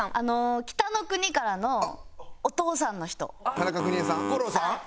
田中邦衛さん。